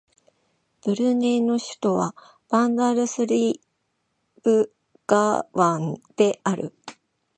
ブルネイの首都はバンダルスリブガワンである